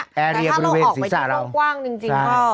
เเมื่อเราออกมาที่กรองกว้างจริงก็